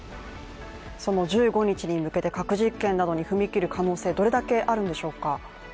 その１５日に向けて核実験などに踏み切る可能性どれくらいあるんでしょうか。